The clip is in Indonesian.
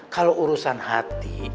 kalau urusan hati